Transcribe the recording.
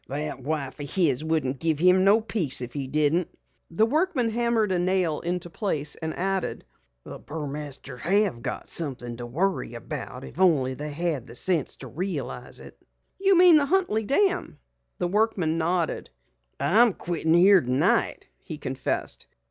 That wife of his wouldn't give him no peace if he didn't." The workman hammered a nail into place and added: "The Burmasters have got something to worry about if they only had sense enough to realize it." "You mean the Huntley Dam?" The workman nodded. "I'm quittin' here tonight," he confessed.